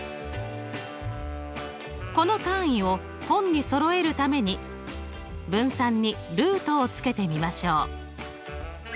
この単位を本にそろえるために分散にルートをつけてみましょう。